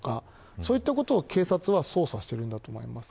そういうことを警察は捜査していると思います。